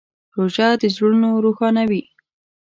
روژه د زړونو روښانوي.